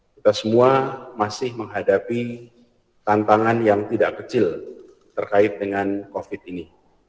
kita semua masih menghadapi tantangan yang tidak kecil terkait dengan covid ini